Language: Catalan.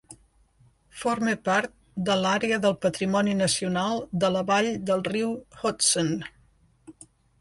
Forma part de l'àrea del patrimoni nacional de la vall del riu Hudson.